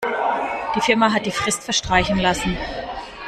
Die Firma hat die Frist verstreichen lassen.